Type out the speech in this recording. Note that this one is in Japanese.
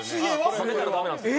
曲げたらダメなんですよ。